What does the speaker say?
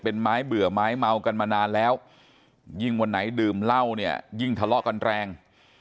เป็นไม้เบื่อไม้เมากันมานานแล้วยิ่งวันไหนดื่มเหล้าเนี่ยยิ่งทะเลาะกันแรง